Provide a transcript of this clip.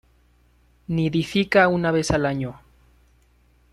Nidifica una vez al año.